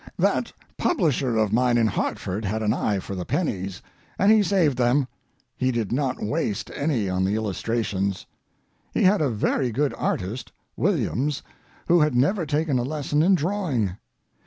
That publisher of mine in Hartford had an eye for the pennies, and he saved them. He did not waste any on the illustrations. He had a very good artist—Williams—who had never taken a lesson in drawing.